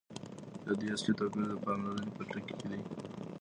د دوی اصلي توپیر د پاملرني په ټکي کي دی.